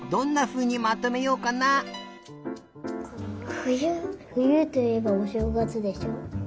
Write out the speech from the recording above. ふゆといえばおしょうがつでしょ？